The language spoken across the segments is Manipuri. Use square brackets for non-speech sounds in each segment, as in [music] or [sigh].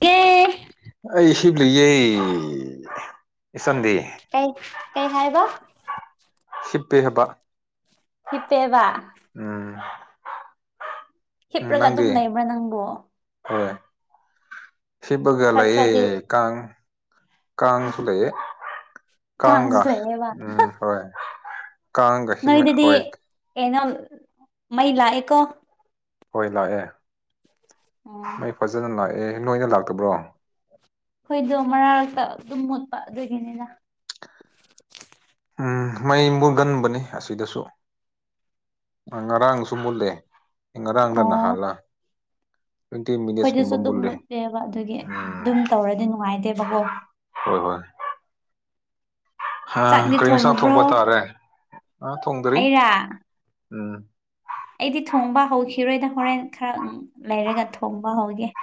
ꯑꯦ ꯑꯩ ꯍꯤꯞꯂꯤꯌꯦ ꯏꯆꯟꯗꯤ ꯀꯩ ꯀꯩ ꯍꯥꯏꯕ ꯍꯤꯞꯄꯦ ꯍꯥꯢꯕ ꯍꯤꯞꯇꯦꯕꯥ ꯎꯝ ꯍꯤꯞꯔꯒ ꯑꯗꯨꯝ ꯂꯩꯕ꯭ꯔꯥ ꯅꯪꯕꯨ ꯥꯍꯣꯢ ꯍꯤꯞꯔꯒ ꯈꯔ ꯈꯔꯗꯤ ꯂꯩꯌꯦ ꯀꯥꯡ ꯀꯥꯡꯁꯨ ꯂꯩꯌꯦ ꯀꯥꯡꯒ ꯀꯥꯡꯁꯨ ꯂꯩꯌꯦꯕ ꯎꯝ ꯍꯣꯢ ꯅꯣꯏꯗꯗꯤ ꯀꯩꯅꯣ ꯃꯩ ꯂꯥꯛꯑꯦꯀꯣ ꯍꯣꯏ ꯂꯥꯛꯑꯦ ꯑꯣ ꯃꯩ ꯐꯖꯅ ꯂꯥꯛꯑꯦ ꯅꯣꯏꯅ ꯂꯥꯛꯇꯕ꯭ꯔꯣ ꯈꯣꯏꯗꯣ ꯃꯔꯛꯇ ꯑꯗꯨꯝ ꯃꯨꯠꯄ ꯑꯗꯨꯒꯤꯅꯤꯗ ꯎꯝ ꯃꯩ ꯃꯨꯒꯟꯕꯅꯤ ꯑꯁꯤꯗꯁꯨ ꯉꯔꯥꯡꯁꯨ ꯃꯨꯜꯂꯦ ꯉꯔꯥꯡꯗ ꯑꯣ ꯅꯍꯥꯟꯜꯂꯥ ꯑꯩꯈꯣꯏꯗꯁꯨ ꯑꯗꯨꯝ ꯃꯨꯠꯂꯦꯕ ꯑꯗꯨꯒꯤ ꯎꯝ ꯑꯗꯨꯝ ꯇꯧꯔꯗꯤ ꯅꯨꯡꯉꯥꯏꯇꯦꯕꯀꯣ ꯍꯣꯏ ꯍꯣꯏ ꯑ ꯆꯥꯛꯗꯤ ꯀꯔꯤꯁꯥ ꯊꯣꯡꯉꯕ꯭ꯔꯣ ꯊꯣꯡꯕ ꯇꯥꯔꯦ ꯑ ꯊꯣꯡꯗ꯭ꯔꯤ ꯑꯩꯔꯥ ꯎꯝ ꯑꯩꯗꯤ ꯊꯣꯡꯕ ꯍꯧꯈꯤꯔꯣꯏꯗ ꯍꯣꯔꯦꯟ ꯈꯔ ꯂꯩꯔꯒ ꯊꯣꯡꯕ ꯍꯧꯒꯦ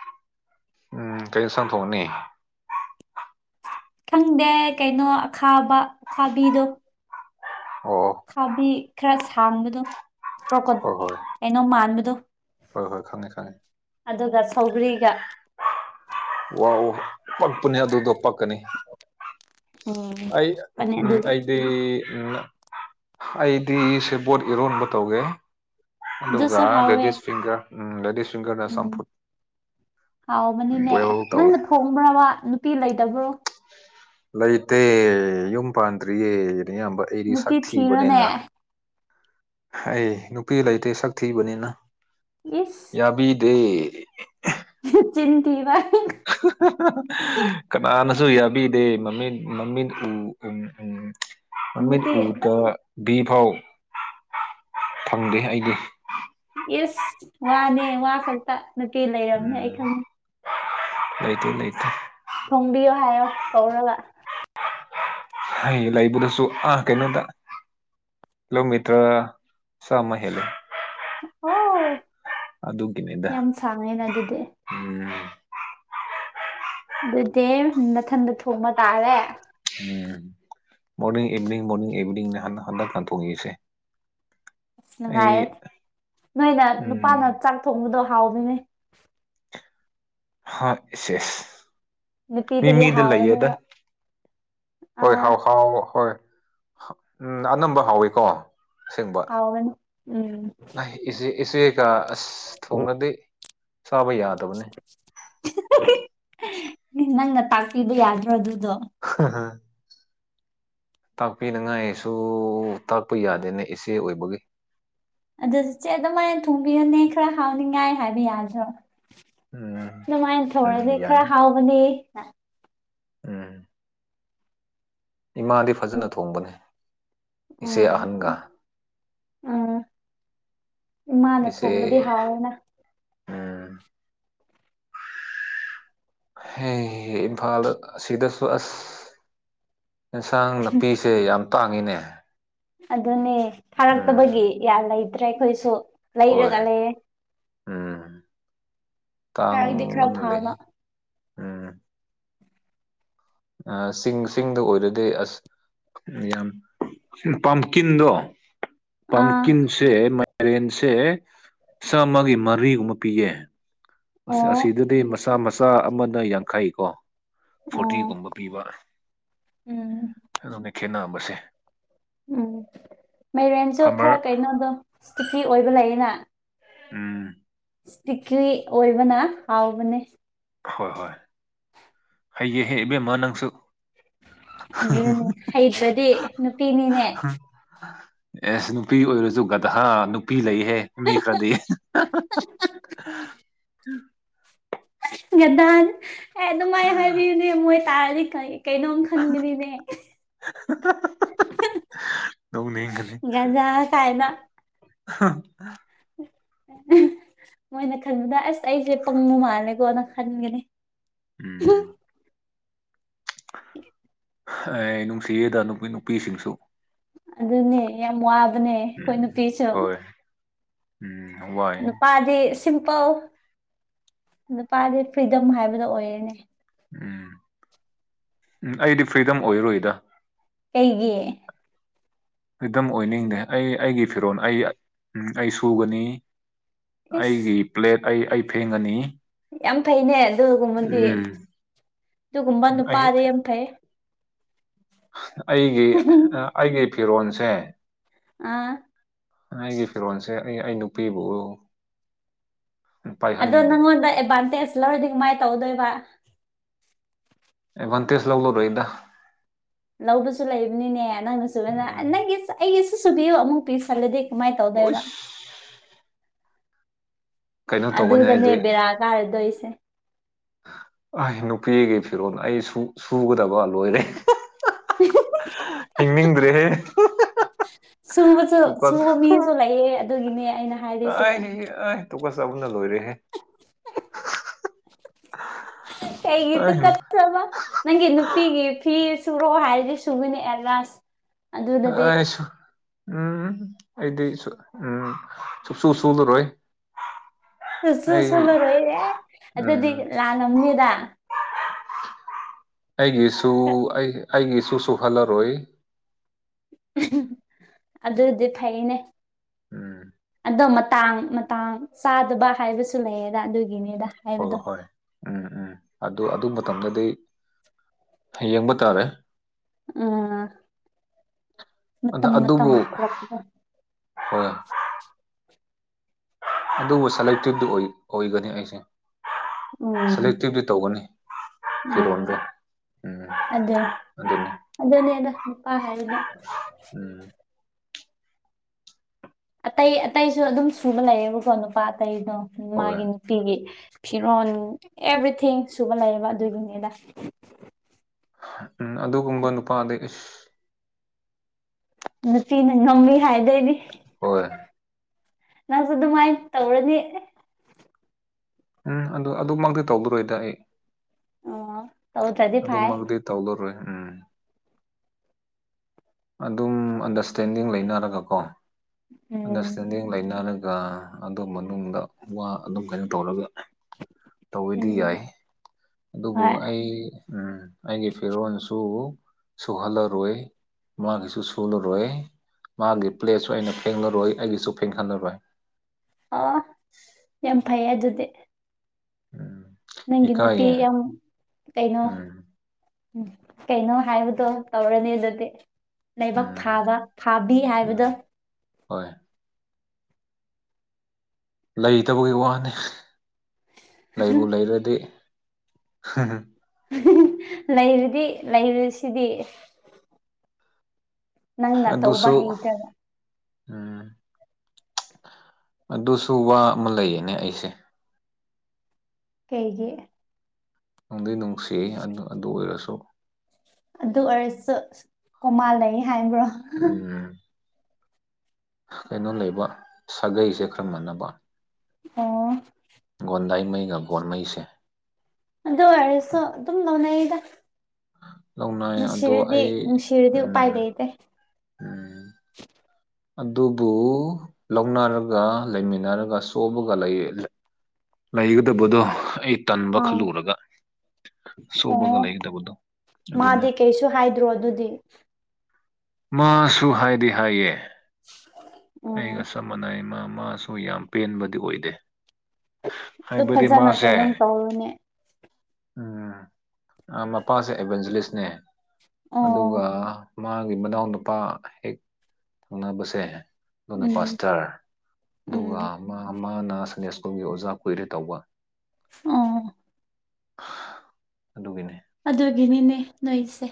ꯎꯝ ꯀꯩ ꯏꯟꯁꯥꯡ ꯊꯣꯡꯅꯤ ꯈꯪꯗꯦ ꯀꯩꯅꯣ ꯑꯈꯥꯕ ꯑꯈꯥꯕꯤꯗꯣ ꯑꯣ ꯈꯥꯕꯤ ꯈꯔ ꯁꯥꯡꯕꯗꯣ ꯄ꯭ꯔꯣꯀꯣꯠ ꯍꯣꯏ ꯍꯣꯏ ꯀꯩꯅꯣ ꯃꯥꯟꯕꯗꯣ ꯍꯣꯏ ꯍꯣꯏ ꯈꯪꯉꯦ ꯈꯪꯉꯦ ꯑꯗꯨꯒ ꯁꯧꯒ꯭ꯔꯤꯒ ꯋꯥꯎ ꯄꯛꯄꯅꯤ ꯑꯗꯨꯗꯣ ꯄꯛꯀꯅꯤ ꯎꯝ ꯑꯩ ꯄꯅꯦ ꯎꯝ ꯑꯗꯨꯒꯤ ꯑꯩꯗꯤ ꯗꯤ ꯎꯝ ꯑꯩꯗꯤ ꯁꯦꯕꯣꯠ ꯏꯔꯣꯟꯕ ꯇꯧꯒꯦ ꯑꯗꯨꯒ ꯑꯗꯨꯁꯨ ꯍꯥꯎꯋꯦ ꯂꯦꯗꯤꯁ ꯐꯤꯡꯒꯔ ꯎꯝ ꯂꯦꯗꯤꯁ ꯐꯤꯡꯒꯔꯅ ꯎꯝ ꯆꯝꯐꯨꯠ ꯍꯥꯎꯕꯅꯤꯅꯦ ꯕꯣꯏꯜ ꯇꯧꯋꯦ ꯅꯪꯅ ꯊꯣꯡꯕ꯭ꯔꯥꯕ ꯅꯨꯄꯤ ꯂꯩꯇꯕ꯭ꯔꯣ ꯂꯩꯇꯦ ꯌꯨꯝ ꯄꯥꯟꯗ꯭ꯔꯤꯌꯦ ꯅꯌꯥꯝꯕ ꯑꯩꯗꯤ ꯅꯨꯄꯤ ꯊꯤꯔꯣꯅꯦ ꯁꯛꯊꯤꯕꯅꯦꯅ ꯍꯩ ꯅꯨꯄꯤ ꯂꯩꯇꯦ ꯁꯛ ꯊꯤꯕꯅꯤꯅ ꯏꯁ ꯌꯥꯕꯤꯗꯦ [unintelligible] ꯆꯤꯟꯊꯤꯕ [unintelligible] [unintelligible] ꯀꯅꯥꯅꯁꯨ ꯌꯥꯕꯤꯗꯦ ꯃꯃꯤꯠ ꯃꯃꯤꯠ ꯎ ꯎꯝ ꯎꯝ [unintelligible] ꯃꯥꯃꯤꯠ ꯅꯨꯄꯤ ꯑꯗꯨꯝ ꯎꯗꯥꯕꯤ ꯐꯥꯎ ꯐꯪꯗꯦ ꯑꯩꯗꯤ ꯏꯁ ꯋꯥꯅꯦ ꯋꯥ ꯈꯛꯇ ꯅꯨꯄꯤ ꯂꯩꯔꯕꯝꯅꯦ ꯑꯩ ꯎꯝ ꯈꯪꯉꯦ ꯂꯩꯇꯦ ꯂꯩꯇꯦ ꯊꯣꯡꯕꯤꯌꯣ ꯍꯥꯏꯔꯣ ꯀꯧꯔꯒ ꯍꯩ ꯂꯩꯕꯨꯗꯁꯨ ꯑꯥ ꯀꯩꯅꯣꯗ ꯀꯤꯂꯣꯃꯤꯇ꯭ꯔ ꯆꯥꯝꯃꯥ ꯍꯦꯜꯂꯦ ꯑꯣ ꯑꯗꯨꯒꯤꯅꯤꯗ ꯌꯥꯝ ꯁꯥꯡꯉꯦꯅ ꯑꯗꯨꯗꯤ ꯎꯝ ꯑꯗꯨꯗꯤ ꯃꯊꯟꯗ ꯊꯣꯡꯕ ꯇꯥꯔꯦ ꯎꯝ ꯃꯣꯔꯅꯤꯡ ꯏꯚꯤꯅꯤꯡ ꯃꯣꯔꯅꯤꯡ ꯏꯚꯤꯅꯤꯡ ꯅꯍꯥꯟ ꯍꯟꯗꯛꯅ ꯊꯣꯛꯏꯁꯦ ꯑꯁ ꯅꯨꯡꯉꯥꯏꯔꯅꯤ ꯅꯣꯏꯅ ꯎꯝ ꯅꯨꯄꯥꯅ ꯆꯥꯛ ꯊꯣꯡꯕꯗꯣ ꯍꯥꯎꯕꯅꯦ ꯍꯣꯏ ꯏꯁ ꯏꯁ ꯃꯤ ꯅꯨꯄꯤꯗꯒꯤ ꯃꯤꯗ ꯂꯩꯌꯦꯗ ꯍꯥꯎꯕꯅꯦꯕ ꯍꯣꯏ ꯑꯥ ꯍꯥꯎ ꯍꯥꯎ ꯍꯣꯏ ꯎꯝ ꯑꯅꯝꯕ ꯍꯥꯎꯋꯤꯀꯣ ꯑꯁꯦꯡꯕ ꯍꯥꯎꯕꯅꯦ ꯎꯝ [unintelligible] ꯏꯆꯦ ꯏꯆꯦꯒ ꯑꯁ ꯊꯣꯡꯉꯗꯤ ꯆꯥꯕ ꯌꯥꯗꯕꯅꯦ [unintelligible] ꯅꯪꯅ ꯇꯥꯛꯄꯤꯕ ꯌꯥꯗ꯭ꯔꯣ ꯑꯗꯨꯗꯣ [unintelligible] ꯇꯥꯛꯄꯤꯅꯉꯥꯏꯁꯨ ꯇꯥꯛꯄ ꯌꯥꯗꯦꯅꯦ ꯏꯆꯦ ꯑꯣꯏꯕꯒꯤ ꯑꯗꯨꯗꯤ ꯏꯆꯦ ꯑꯗꯨꯃꯥꯏ ꯊꯣꯡꯕꯤꯌꯨꯅꯦ ꯈꯔ ꯍꯥꯎꯅꯤꯡꯉꯥꯏ ꯍꯥꯏꯕ ꯌꯥꯗ꯭ꯔꯣ ꯎꯝ ꯑꯗꯨꯃꯥꯏ ꯎꯝ ꯊꯧꯔꯗꯤ ꯌꯥꯏ ꯈꯔ ꯍꯥꯎꯕꯅꯦ ꯎꯝ ꯏꯃꯥꯗꯤ ꯐꯖꯅ ꯊꯣꯡꯕꯅꯤ ꯏꯆꯦ ꯎꯝ ꯑꯍꯟꯒ ꯎꯝ ꯏꯃꯥꯅ ꯊꯣꯡꯕꯗꯤ ꯏꯆꯦ ꯍꯥꯎꯋꯦꯅ ꯎꯝ ꯏꯝꯐꯥꯜꯗ ꯁꯤꯗꯁꯨ ꯑꯁ ꯑꯦꯟꯁꯥꯡ ꯅꯥꯄꯤꯁꯦ ꯌꯥꯝ ꯇꯥꯡꯉꯤꯅꯦ ꯑꯗꯨꯅꯦ ꯎꯝ ꯐꯥꯔꯛꯇꯕꯒꯤ ꯌꯥꯝ ꯂꯩꯇ꯭ꯔꯦ ꯑꯩꯈꯣꯏꯁꯨ ꯍꯣꯏ ꯂꯩꯔꯒ ꯂꯩꯌꯦ ꯎꯝ ꯈꯔꯗꯤ ꯈꯔ ꯇꯥꯡꯃꯥꯜ ꯂꯦ ꯐꯕ ꯑ ꯆꯤꯡ ꯆꯤꯡꯗ ꯑꯣꯏꯔꯗꯤ ꯑꯁ ꯌꯥꯝ ꯄꯝꯀꯤꯟꯗꯣ꯫ ꯑꯥ ꯄꯝꯀꯤꯟꯁꯦ ꯃꯥꯏꯔꯦꯟꯁꯦ ꯆꯥꯝꯃꯒꯤ ꯃꯔꯤꯒꯨꯝꯕ ꯄꯤꯌꯦ꯫ ꯑꯁ ꯑꯣ ꯑꯁꯤꯗꯗꯤ ꯃꯆꯥ ꯃꯆꯥ ꯑꯃꯅ ꯌꯥꯡꯈꯩ ꯀꯣ꯫ ꯑꯣ ꯐꯣꯔꯇꯤꯒꯨꯝꯕ ꯄꯤꯕ꯫ ꯎꯝ꯫ ꯑꯗꯨꯅꯦ ꯈꯦꯠꯅꯝꯕꯁꯦ꯫ ꯎꯝ ꯃꯔꯦꯟꯁꯨ ꯐꯥꯔꯃꯔ ꯈꯔ ꯀꯩꯅꯣꯗꯣ ꯏꯁꯇꯤꯐꯤ ꯑꯣꯏꯕ ꯂꯩꯌꯦꯅ꯫ ꯎꯝ꯫ ꯏꯁꯇꯤꯀꯤ ꯑꯣꯏꯕꯅ ꯍꯥꯎꯕꯅꯦ꯫ ꯍꯣꯏ ꯍꯣꯏ ꯍꯩꯌꯦꯍꯦ ꯏꯕꯦꯝꯃ ꯅꯪꯁꯨ꯫ ꯑꯗꯨꯅꯅꯦ ꯍꯩꯇꯔꯗꯤ ꯅꯨꯄꯤꯅꯤꯅꯦ꯫ ꯑꯦꯁ ꯅꯨꯄꯤ ꯑꯣꯏꯔꯁꯨ ꯒꯗꯍꯥ ꯅꯨꯄꯤ ꯂꯩꯍꯦ ꯃꯤ ꯈꯔꯗꯤ꯫ ꯒꯗꯥ ꯑꯦ ꯑꯗꯨ ꯃꯥꯥꯏ ꯍꯥꯏꯕꯤꯅꯦ ꯃꯣꯏ ꯇꯥꯔ ꯀꯥꯏ꯫ ꯀꯩꯅꯣꯝ ꯈꯟꯒꯅꯤꯅꯦ꯫ ꯅꯣꯛꯅꯤꯡꯒꯅꯤ ꯒꯗꯥ ꯀꯥꯏꯅ꯫ ꯍꯥ꯫ ꯃꯣꯏꯅ ꯈꯟꯕꯗ ꯑꯁ ꯑꯩꯁꯦ ꯄꯪꯕ ꯃꯥꯜꯂꯦꯀꯣꯅ ꯈꯟꯒꯅꯤ꯫ ꯎꯝ꯫ ꯑꯦ ꯅꯨꯡꯁꯤꯑꯦꯗ ꯅꯨꯄꯤ ꯅꯨꯄꯤꯁꯤꯡꯁꯨ꯫ ꯑꯗꯨꯅꯦ ꯌꯥꯝ ꯋꯥꯕꯅꯦ ꯑꯩꯈꯣꯏ ꯎꯝ ꯅꯨꯄꯤꯁꯨ꯫ ꯍꯣꯏ ꯎꯝ ꯋꯥꯏ꯫ ꯄꯥꯗꯤ ꯁꯤꯝꯄꯜ ꯅꯨꯄꯥꯗꯤ ꯐ꯭ꯔꯤꯗꯝ ꯍꯥꯏꯕꯗꯣ ꯑꯣꯏꯔꯅꯦ꯫ ꯎꯝ ꯑꯩꯗꯤ ꯐ꯭ꯔꯤꯗꯝ ꯑꯣꯏꯔꯨꯏꯗ꯫ ꯀꯩꯒꯤ꯫ ꯐꯔꯤꯗꯝ ꯑꯣꯏꯅꯤꯡꯗꯦ ꯑꯩ ꯑꯩꯒꯤ ꯐꯤꯔꯣꯟꯜ ꯑꯩ ꯑꯩ ꯁꯨꯒꯅꯤ꯫ ꯑꯩꯒꯤ ꯏꯁ ꯄ꯭ꯂꯦꯠ ꯑꯩ ꯑꯩ ꯐꯦꯡꯒꯅꯤ꯫ ꯌꯥꯝ ꯐꯩꯅꯦ ꯑꯗꯨꯒꯨꯝꯕꯗꯤ ꯎꯝ ꯑꯗꯨꯒꯨꯝꯕ ꯑꯩ ꯅꯨꯄꯥꯗꯤ ꯌꯥꯝ ꯐꯩ꯫ ꯑꯩꯒꯤ ꯑꯩꯒꯤ ꯐꯤꯔꯣꯜꯁꯦ꯫ ꯑꯥ꯫ ꯑꯩꯒꯤ ꯐꯤꯔꯣꯜꯁꯦ ꯑꯩ ꯑꯩ ꯅꯨꯄꯤꯕꯨ ꯎ ꯑꯗꯣ ꯅꯪꯉꯣꯟꯗ ꯑꯦꯗꯚꯥꯟꯇꯦꯖ ꯂꯧꯔꯗꯤ ꯀꯥ ꯃꯥꯏꯅ ꯇꯧꯗꯣꯏꯕ꯫ ꯑꯦꯕꯟꯇꯦꯁ ꯂꯧꯂꯣꯔꯣꯗ꯫ ꯂꯧꯕꯁꯨ ꯂꯩꯕꯅꯤꯅꯦ ꯅꯪꯅ ꯁꯨꯕꯅ ꯎꯝ ꯅꯪꯒꯤ ꯑꯩꯒꯤꯁꯨ ꯁꯨꯕꯤꯌꯨ ꯑꯃꯨꯛ ꯄꯤꯁꯜꯂꯗꯤ ꯀꯃꯥꯏꯅ ꯇꯧꯗꯣꯏꯕ꯫ ꯑꯣꯏꯁ ꯀꯩꯅꯣ ꯇꯧꯒꯅꯤ ꯑꯗꯨꯗꯅꯦ ꯑꯩꯗꯤ ꯕꯤꯔꯥꯑ ꯀꯥꯔꯗꯣꯏꯁꯦ꯫ ꯑꯩ ꯅꯨꯄꯤꯒꯤ ꯐꯤꯔꯣꯜ ꯑꯩ ꯁꯨꯒꯗꯕ ꯂꯣꯏꯔꯦ꯫ ꯍꯤꯡꯅꯤꯡꯗ꯭ꯔꯦꯍꯦ꯫ ꯁꯨꯕꯁꯨ ꯇꯨꯀꯠꯆ ꯁꯨꯕ ꯃꯤꯁꯨ ꯂꯩꯌꯦ ꯑꯗꯨꯒꯤꯅꯦ ꯑꯩꯅ ꯍꯥꯏꯔꯤꯁꯦ꯫ ꯑꯦ ꯇꯨꯀꯨ ꯆꯥꯕꯅ ꯂꯣꯏꯔꯦꯍꯦ꯫ ꯀꯩꯒꯤ ꯑꯩ ꯇꯨꯀꯠꯆꯕ꯫ ꯅꯪꯒꯤ ꯅꯨꯄꯤꯒꯤ ꯐꯤ ꯁꯨꯔꯛꯑꯣ ꯍꯥꯏꯔꯗꯤ ꯁꯨꯕꯤꯅꯤ ꯑꯦꯗꯚꯥꯟꯁ꯫ ꯎꯝ ꯑꯩꯗꯤ ꯁ ꯎꯝ ꯁꯨꯁꯨꯨ ꯁꯂꯨꯔꯣꯏ꯫ ꯆꯨ ꯆꯨ ꯁꯨꯂꯨꯔꯣꯏꯍꯦ ꯑꯗꯨꯗꯤ ꯎꯝ ꯂꯥꯂꯝꯅꯤꯗ꯫ ꯑꯩꯒꯤꯁꯨ꯫ [unintelligible] ꯑꯩ ꯑꯩꯒꯤ ꯁꯨ ꯍꯜꯂꯔꯣꯏ꯫ ꯑꯗꯨꯗꯤ ꯐꯩꯅꯦ꯫ ꯎꯝ ꯑꯗꯣ ꯃꯇꯥꯡ ꯃꯇꯥꯡ ꯆꯥꯗꯕ ꯍꯥꯏꯕꯁꯨ ꯂꯩꯌꯦꯗ ꯑꯗꯨꯒꯤꯅꯦꯗ ꯍꯣꯏ ꯍꯣꯏ ꯎꯝ ꯎꯝ ꯑꯗꯨ ꯑꯗꯨ ꯃꯇꯝꯗꯗꯤ ꯍꯌꯦꯡꯕ ꯇꯥꯔꯦ ꯑ ꯃꯇꯝꯅ ꯑꯗꯨꯕꯨ ꯃꯇꯝꯅ ꯄꯨꯔꯛꯄꯤꯗꯣ ꯍꯣꯏ ꯑꯗꯨꯕꯨ ꯁꯦꯂꯦꯛꯇꯤꯞꯇꯤ ꯑꯣꯏ ꯑꯣꯏꯒꯅꯤ ꯑꯩꯁꯨ ꯎꯝ ꯁꯦꯂꯦꯛꯇꯤꯞꯇꯤ ꯇꯧꯒꯅꯤ ꯎꯝ ꯐꯤꯔꯣꯟꯗꯣ ꯑꯗꯨ ꯑꯗꯨꯅꯦꯗ ꯅꯨꯄꯥ ꯍꯥꯏꯔꯦꯗ ꯎꯝ ꯑꯇꯩ ꯑꯇꯩꯁꯨ ꯑꯗꯨꯝ ꯁꯨꯕ ꯂꯩꯌꯦꯕꯀꯣ ꯅꯨꯄꯥ ꯑꯇꯩꯗꯣ ꯍꯣꯏ ꯃꯥꯒꯤ ꯅꯨꯄ__ ꯄꯤꯒꯤ ꯐꯤꯔꯣꯟ ꯑꯦꯕ꯭ꯔꯤꯊꯤꯡ ꯁꯨꯕ ꯂꯩꯌꯦꯕ ꯑꯗꯨꯒꯤꯅꯤꯗ ꯎꯝ ꯑꯗꯨꯒꯨꯝꯕ ꯅꯨꯄꯥꯗꯤ ꯏꯁ ꯅꯨꯄꯤꯅ ꯉꯝꯃꯦ ꯍꯥꯏꯗꯣꯏꯅꯤ ꯍꯣꯏ ꯅꯪꯁꯨ ꯑꯗꯨꯃꯥꯏꯅ ꯇꯧꯔꯅꯤ ꯑꯦꯍ ꯎꯝ ꯑꯗꯨ ꯑꯗꯨꯃꯛꯇꯤ ꯇꯧꯕꯤꯔꯣꯏꯗ ꯑꯩ ꯑꯣ ꯇꯧꯗ꯭ꯔꯗꯤ ꯐꯥꯏ ꯑꯗꯨꯃꯛꯇꯤ ꯇꯧꯗꯔꯣꯏ ꯎꯝ ꯑꯗꯨꯝ ꯑꯟꯗꯔꯁꯇꯦꯟꯗꯤꯡ ꯂꯩꯅꯔꯒꯀꯣ ꯎꯝ ꯑꯟꯗꯔꯁꯇꯦꯟꯗꯤꯡ ꯂꯩꯅꯔꯒ ꯑꯗꯨ ꯃꯅꯨꯡꯗ ꯋꯥ ꯑꯗꯨꯝ ꯀꯩꯅꯣ ꯇꯧꯔꯒ ꯇꯧꯋꯦꯗꯤ ꯎꯝ ꯌꯥꯏ ꯑꯗꯨꯕꯨ ꯍꯣꯏ ꯑꯩ ꯎꯝ ꯑꯩꯒꯤ ꯐꯤꯔꯣꯜꯁꯨ ꯁꯨꯍꯜꯂꯔꯣꯏ ꯃꯥꯒꯤꯁꯨ ꯁꯨꯨꯂꯔꯣꯏ ꯃꯥꯒꯤ ꯄ꯭ꯂꯦꯠꯁꯨ ꯑꯩꯅ ꯐꯦꯡꯂꯔꯣꯏ ꯑꯩꯒꯤꯁꯨ ꯐꯦꯡꯍꯜꯂꯔꯣꯏ ꯑꯣꯍ ꯌꯥꯝ ꯐꯩꯌꯦ ꯑꯗꯨꯗꯤ ꯎꯝ ꯅꯪꯒꯤ ꯏꯀꯥꯏꯌꯦ ꯅꯨꯄꯤꯌꯥꯝ ꯀꯩꯅꯣ ꯎꯝ ꯍꯨꯝ ꯀꯩꯅꯣ ꯍꯥꯏꯕꯗꯣ ꯇꯧꯔꯅꯤ ꯑꯗꯨꯗꯤ ꯂꯥꯏꯕꯛ ꯎꯝ ꯐꯕꯥ ꯐꯥꯕꯤ ꯍꯥꯏꯕꯗꯣ ꯎꯝ ꯍꯣꯏ ꯂꯩꯇꯕꯒꯤ ꯋꯥꯅꯤ ꯂꯩꯕꯨ ꯂꯩꯔꯗꯤ ꯍꯍꯪ ꯂꯩꯔꯗꯤ ꯂꯩꯔꯁꯤꯗꯤ ꯅꯪꯅ ꯇꯧꯕ ꯑꯗꯨꯁꯨ ꯍꯩꯇ꯭ꯔꯒ ꯎꯝ ꯑꯗꯨꯁꯨ ꯋꯥ ꯑꯃ ꯂꯩꯌꯦꯅꯦ ꯑꯩꯁꯦ ꯀꯩꯒꯤ ꯅꯨꯡꯗꯤ ꯅꯨꯡꯁꯤ ꯑꯗꯨ ꯑꯗꯨ ꯑꯣꯏꯔꯁꯨ ꯑꯗꯨ ꯑꯣꯏꯔꯁꯨ ꯀꯣꯃꯥ ꯂꯩ ꯍꯥꯏꯕ꯭ꯔꯣ ꯎꯝ ꯍ ꯀꯩꯅꯣ ꯂꯩꯕ ꯁꯥꯒꯩꯁꯦ ꯈꯔ ꯃꯥꯟꯅꯕ ꯑꯣ ꯒꯣꯟꯗꯥꯏꯃꯩꯒ ꯒꯣꯟꯃꯩꯁꯦ ꯑꯗꯨ ꯑꯣꯏꯔꯁꯨ ꯑꯗꯨꯝ ꯂꯧꯅꯩꯌꯦꯗ ꯂꯧꯅꯩ ꯑꯗꯣ ꯅꯨꯡꯁꯤꯔꯗꯤ ꯑꯩ ꯅꯨꯡꯁꯤꯔꯗꯤ ꯎꯄꯥꯏ ꯎꯝ ꯂꯩꯇꯦ ꯎꯝ ꯑꯗꯨꯕꯨ ꯂꯧꯅꯔꯒ ꯂꯩꯃꯤꯟꯅꯔꯒ ꯁꯣꯕꯒ ꯂꯩꯌꯦ ꯂꯩ__ ꯂꯩꯒꯗꯕꯗꯣ ꯑꯩ ꯇꯟꯕ ꯑꯥ ꯈꯜꯂꯨꯔꯒ ꯁꯣꯕꯒ ꯑꯣ ꯂꯩꯒꯗꯕꯗꯣ ꯑꯗꯨꯅꯦ ꯃꯥꯗꯤ ꯀꯩꯁꯨ ꯍꯥꯏꯗ꯭ꯔꯣ ꯑꯗꯨꯗꯤ ꯃꯥꯁꯨ ꯍꯥꯏꯗꯤ ꯍꯥꯏꯌꯦ [unintelligible] ꯑꯩꯒ ꯆꯞ ꯃꯥꯟꯅꯩꯌꯦ ꯃꯥ ꯃꯥꯁꯨ ꯌꯥꯝ ꯄꯦꯟꯕꯗꯤ ꯑꯣꯏꯗꯦ ꯑꯗꯨ ꯍꯥꯏꯕꯗꯤ ꯐꯖꯅ ꯃꯥꯁꯦ ꯀꯩꯅꯣꯝ ꯇꯧꯔꯨꯅꯦ ꯎꯝ ꯑ ꯃꯄꯥꯁꯦ ꯑꯦꯚꯦꯟꯖꯂꯤꯁꯅꯦ ꯑꯣ ꯑꯗꯨꯒ ꯃꯥꯒꯤ ꯃꯅꯥꯎꯅ ꯅꯨꯄꯥ ꯍꯦꯛ ꯊꯪꯅꯕꯁꯦ꯫ ꯑꯗꯨꯅ ꯎꯝ ꯄꯥꯁꯇꯔ ꯑꯗꯨꯒ ꯎꯝ ꯃꯥ ꯃꯥꯅ ꯁꯟꯗꯦ ꯁ꯭ꯀꯨꯜꯒꯤ ꯑꯣꯖꯥ ꯀꯨꯏꯔꯦ ꯇꯧꯕ꯫ ꯎꯝ ꯑꯗꯨꯒꯤꯅꯦ꯫ ꯑꯗꯨꯒꯤꯅꯤꯅꯦ ꯅꯣꯏꯁꯦ꯫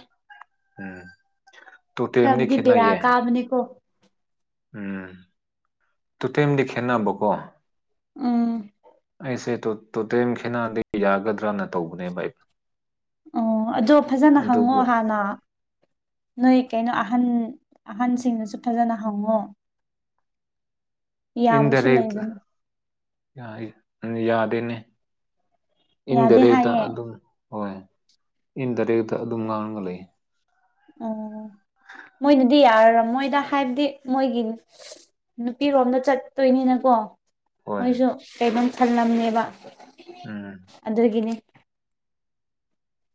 ꯎꯝ ꯇꯨ ꯇ ꯑꯦꯝꯅꯤ ꯈꯦꯅꯥ ꯌꯦ꯫ ꯕꯅꯤ ꯀꯣ ꯎꯝ ꯇꯣꯇꯦꯝꯗꯤ ꯈꯦꯠꯅꯕꯀꯣ ꯎꯝ ꯁꯦ ꯇꯣꯇꯦꯝ ꯈꯦꯠꯅꯗꯤ ꯌꯥꯒꯗ꯭ꯔꯅ ꯇꯧꯕꯅꯦꯕ ꯑꯩꯕ ꯑꯣ ꯑꯗꯣ ꯐꯖꯅ ꯍꯪꯉꯣ ꯑꯗꯨꯕꯨ ꯍꯥꯟꯅ ꯅꯣꯏ ꯀꯩꯅꯣ ꯑꯍꯟ ꯑꯍꯟꯁꯤꯡꯅꯁꯨ ꯐꯖꯅ ꯍꯪꯉꯣ [inaudible] ꯏꯟ ꯌꯥꯕꯁꯨ ꯗꯔꯦ ꯂꯩꯕꯅꯤ ꯌꯥꯗꯅꯦ꯫ ꯌꯥꯗꯦ ꯏꯟꯗꯥꯏꯔꯦꯛꯇ ꯍꯥꯏꯌꯦ ꯑꯗꯨꯝ ꯍꯣꯏ ꯏꯟ ꯗꯥꯏꯔꯦꯛꯇ ꯑꯗꯨꯝ ꯉꯥꯡꯒ ꯂꯩ꯫ ꯑꯣ ꯃꯣꯏꯅꯗꯤ ꯌꯥꯔꯔ ꯃꯣꯏꯗ ꯍꯥꯏꯕꯗꯤ ꯃꯣꯏꯒꯤ꯫ ꯅꯨꯄꯤꯔꯣꯝꯗ ꯆꯠꯇꯣꯏꯅꯤꯅꯀꯣ ꯍꯣꯏ ꯃꯣꯏꯁꯨ ꯀꯩꯅꯣꯝ ꯊꯜꯂꯝꯅꯦꯕ꯫ ꯎꯝ ꯑꯗꯨꯗ꯭ꯔꯒꯅꯦ꯫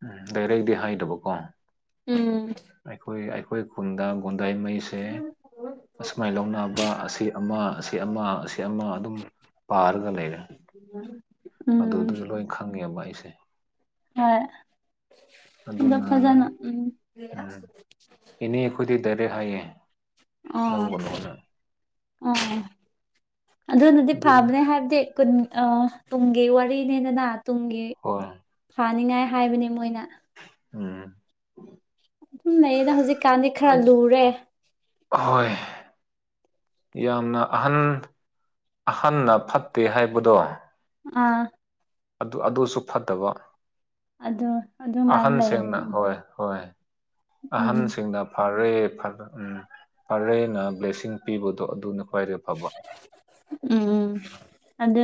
ꯎꯝ ꯂꯩꯔꯛꯗꯤ ꯍꯥꯏꯗꯕꯀꯣ꯫ ꯎꯝ ꯑꯩꯈꯣꯏ ꯑꯩꯈꯣꯏ ꯈꯨꯟꯗ ꯒꯨꯟꯗꯥꯏ ꯃꯩꯁꯦ ꯑꯁꯨꯃꯥꯏ ꯂꯧꯅ ꯑꯁꯤ ꯑꯃ ꯑꯁꯤ ꯑꯃ ꯑꯁꯤ ꯑꯃ ꯑꯗꯨꯝ ꯄꯥꯔꯒ ꯂꯩꯔꯦ꯫ ꯎꯝ ꯑꯗꯨꯗꯨꯗꯤ ꯂꯣꯏ ꯈꯪꯉꯦꯕ ꯑꯩꯁꯦ꯫ ꯍꯣꯏ ꯑꯗ ꯑꯗꯨꯅ ꯐꯖꯅ ꯎꯝ ꯑꯦꯅꯦ ꯑꯩꯈꯣꯏꯗꯤ ꯗꯔꯦ ꯍꯥꯏꯌꯦ꯫ ꯑꯣ ꯂꯧꯒꯅꯣꯅ ꯑꯣ ꯑꯗꯨꯅꯗꯤ ꯑꯗꯨꯅ ꯐꯕꯅꯦ ꯍꯥꯏꯕꯗꯤ꯫ ꯇꯨꯡꯒꯤ ꯋꯥꯔꯤꯅꯤꯗꯅ ꯇꯨꯡꯒꯤ ꯍꯣꯏ ꯐꯥꯅꯤꯡꯉꯥꯏ꯫ ꯍꯥꯏꯕꯅꯤ ꯃꯣꯏꯅ ꯎꯝ ꯑꯗꯨꯨꯝ ꯂꯩꯌꯦꯅ ꯍꯧꯖꯤꯛꯀꯥꯟꯗꯤ ꯈꯔ ꯂꯨꯔꯦ꯫ ꯍꯣꯏ ꯌꯥꯝꯅ ꯑꯍꯟ ꯑꯍꯟꯅ ꯐꯠꯇꯦ ꯍꯥꯏꯕꯗꯣ꯫ ꯎꯝ ꯑꯗꯨ ꯑꯗꯨꯁꯨ ꯐꯠꯇꯕ ꯑꯗꯨ ꯑꯗꯨꯃꯥꯏꯅ ꯂꯩꯕꯅꯤ ꯑꯍꯟꯁꯤꯡꯅ ꯍꯣꯏ ꯍꯣꯏ ꯎꯝ ꯑꯍꯟꯁꯤꯡꯅ ꯐꯔꯦ ꯎ ꯐꯔꯦꯅ ꯕ꯭ꯂꯦꯁꯤꯡ ꯄꯤꯕꯗꯣ ꯑꯗꯨꯅ ꯑꯣꯏꯔꯦ ꯐꯕ꯫ ꯎꯝ ꯑꯗꯨ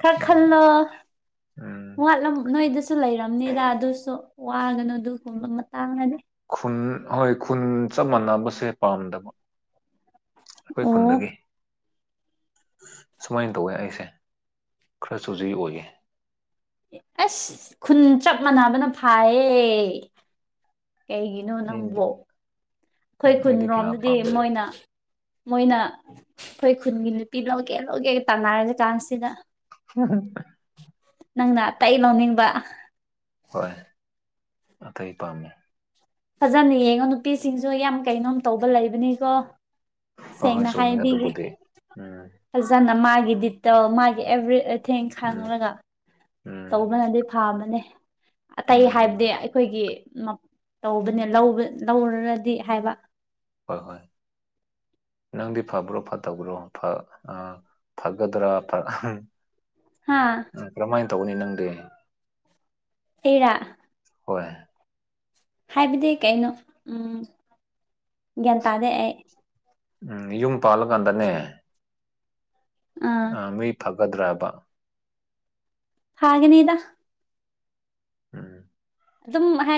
ꯈꯔ ꯎꯝ ꯈꯜꯂꯣ ꯎꯝ ꯋꯥꯠꯂꯝ ꯅꯣꯏꯗꯁꯨ ꯂꯩꯔꯝꯅꯤꯗ ꯑꯗꯨꯁꯨ ꯋꯥꯒꯅꯨ ꯑꯗꯨꯒꯒꯨꯝꯕ ꯃꯇꯥꯡ ꯍꯥꯏꯗꯤ꯫ ꯈꯨꯟ ꯍꯣꯏ ꯈꯨꯟ ꯆꯞ ꯃꯥꯟꯅꯕꯁꯦ ꯄꯥꯝꯗꯕ ꯑꯩꯈꯣꯏ ꯑꯣ ꯈꯨꯟꯗꯒꯤ꯫ ꯁꯨꯃꯥꯏꯅ ꯇꯧꯋꯦ ꯑꯩꯁꯦ ꯈꯔꯁꯨꯨꯖꯤ ꯑꯣꯏꯌꯦ꯫ ꯑꯁ ꯈꯨꯟ ꯆꯞ ꯃꯥꯟꯅꯕꯅ ꯐꯥꯏꯌꯦ꯫ ꯀꯩꯒꯤꯅꯣ ꯑꯩꯗꯤ ꯅꯪꯕꯨ ꯑꯩꯈꯣꯏ ꯎꯝ ꯀꯨꯟ ꯑꯩꯗꯤ ꯀꯌꯥ ꯔꯣꯝꯗꯗꯤ ꯄꯥꯝꯗꯦ ꯃꯣꯏꯅ ꯃꯣꯏꯅ ꯑꯩꯈꯣꯏ ꯈꯨꯟꯒꯤ ꯅꯨꯄꯤ ꯂꯧꯒꯦ ꯂꯧꯒꯦꯒ ꯇꯥꯟꯅꯔꯁꯤ ꯀꯥꯟꯁꯤꯗ ꯎꯝ ꯎꯝ ꯅꯪꯅ ꯇꯩ ꯂꯧꯅꯤꯡꯕ꯫ ꯍꯣꯏ ꯑꯇꯩ ꯄꯥꯝꯃꯦ꯫ ꯐꯖꯅ ꯌꯦꯡꯉꯣ ꯅꯨꯄꯤꯁꯤꯡꯁꯨ ꯌꯥꯝ ꯀꯩꯅꯣꯝ ꯇꯧꯕ ꯂꯩꯕꯅꯤꯀꯣ ꯍꯣꯏ ꯍꯣꯏ ꯁꯦꯡꯅ ꯆꯨꯝꯃꯦ ꯍꯥꯏꯕꯤꯒꯦ ꯑꯗꯨꯕꯨꯗꯤ ꯎꯝ ꯐꯖꯅ ꯃꯥꯒꯤ ꯗꯤꯇꯦꯜ ꯃꯥꯒꯤ ꯑꯦꯚ꯭ꯔꯤꯊꯤꯡ ꯎꯝ ꯈꯥꯡꯉꯒ ꯎꯝ ꯇꯧꯕꯅꯗꯤ ꯐꯥꯕꯅꯦ ꯑꯇꯩ ꯍꯥꯏꯕꯗꯤ ꯎꯝ ꯑꯩꯈꯣꯏꯒꯤ ꯇꯧꯕꯅꯦ ꯂꯧꯔꯗꯤ ꯍꯥꯏꯕ ꯍꯣꯏ ꯍꯣꯏ ꯅꯪꯗꯤ ꯐꯕ꯭ꯔꯣ ꯐꯠꯇꯕ꯭ꯔꯣ ꯐꯒꯗ꯭ꯔꯥ ꯐꯔꯣꯢ ꯍꯥꯥ ꯎ ꯀꯔꯝꯍꯥꯏꯅ ꯇꯧꯅꯤ ꯅꯪꯗꯤ ꯑꯦꯔꯥ ꯍꯣꯏ ꯍꯥꯏꯕꯗꯤ ꯀꯩꯅꯣ ꯎꯝ ꯒ꯭ꯌꯥꯟ ꯇꯥꯗꯦ ꯑꯩ ꯎꯝ ꯌꯨꯝ ꯄꯥꯜꯂꯀꯥꯟꯗꯅꯦ ꯑꯥ ꯑ ꯃꯤ ꯐꯪꯒꯗ꯭ꯔꯕ ꯐꯒꯅꯤꯗ ꯎꯝ ꯑꯗꯨꯝ ꯍꯥꯏ